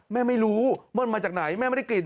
ไม่รู้เบิ้ลมาจากไหนแม่ไม่ได้กลิ่น